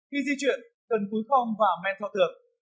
khi di chuyển cần cúi thong và men thoát nạn